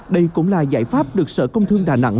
đây cũng là giải pháp được sở công thương đà nẵng